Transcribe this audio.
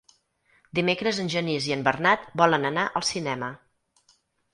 Dimecres en Genís i en Bernat volen anar al cinema.